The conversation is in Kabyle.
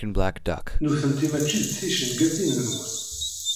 Nutenti mačči d ticengatin-nwen.